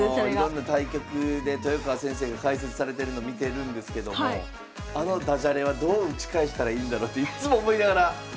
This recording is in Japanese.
いろんな対局で豊川先生が解説されてるの見てるんですけどもあのダジャレはどう打ち返したらいいんだろうっていっつも思いながら。